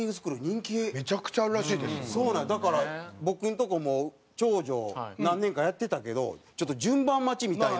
だから僕のとこも長女何年かやってたけどちょっと順番待ちみたいな。